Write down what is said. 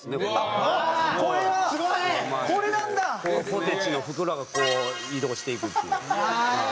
ポテチの袋がこう移動していくっていう。